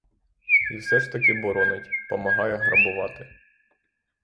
І все ж таки боронить, помагає грабувати.